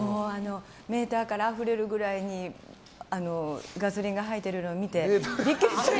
メーターからあふれるぐらいにガソリンが入ってるのを見てビックリしたり。